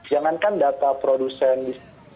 jangankan data produsen yang masih agual